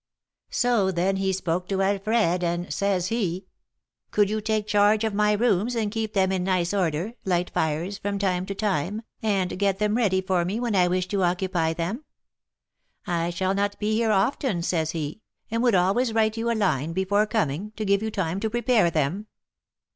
So then he spoke to Alfred, and says he, 'Could you take charge of my rooms and keep them in nice order, light fires from time to time, and get them ready for me when I wish to occupy them? I shall not be here often,' says he, 'and would always write you a line before coming, to give you time to prepare them.'